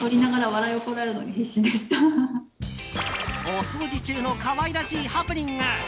お掃除中の可愛らしいハプニング。